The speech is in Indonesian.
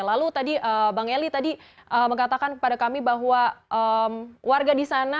lalu tadi bang eli tadi mengatakan kepada kami bahwa warga di sana